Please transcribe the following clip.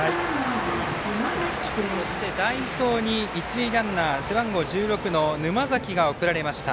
そして代走に一塁ランナー背番号１６の沼崎が送られました。